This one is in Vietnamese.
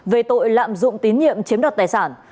về tội lạm dụng tín nhiệm chiếm đoạt tài sản